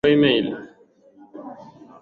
Ni wazi kwamba makabati na vitabu peke yake kamwe.